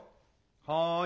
はい。